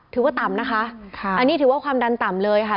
ถือว่าต่ำนะคะอันนี้ถือว่าความดันต่ำเลยค่ะ